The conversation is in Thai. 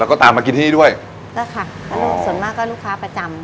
แล้วก็ตามมากินที่ด้วยใช่ค่ะส่วนมากก็ลูกค้าประจำ